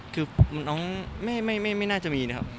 คือน้องไม่น่าจะมีนะครับ